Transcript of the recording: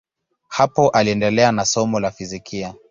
Hapo aliendelea na somo la fizikia.